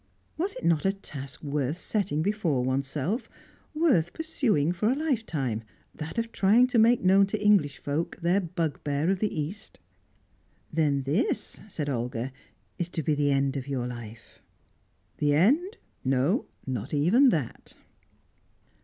Was it not a task worth setting before oneself, worth pursuing for a lifetime, that of trying to make known to English folk their bugbear of the East? "Then this," said Olga, "is to be the end of your life?" "The end? No, not even that."